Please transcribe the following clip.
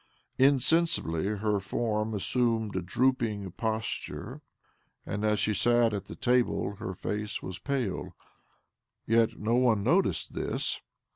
Insensibly her form assumed a drooping posture, and as she sat at the table her face was pale. Yet no one noticed this.